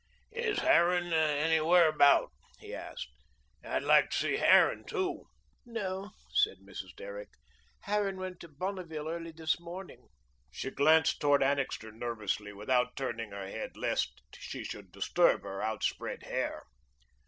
"Is Harran anywhere about?" he asked. "I'd like to see Harran, too." "No," said Mrs. Derrick, "Harran went to Bonneville early this morning." She glanced toward Annixter nervously, without turning her head, lest she should disturb her outspread hair.